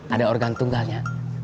ada organ tunggalnya